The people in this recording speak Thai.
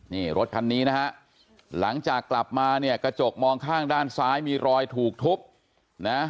นี่รถคันนี้นะฮะหลังจากกลับมาเนี่ยกระจกมองข้างด้านซ้ายมีรอยถูกทุบนะ